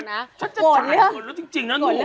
ฉันจะจ่ายโกรธแล้วจริงนะหนู